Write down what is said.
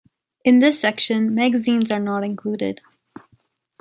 In this section, magazines are not included.